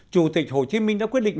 chủ tịch hồ chí minh đã quyết định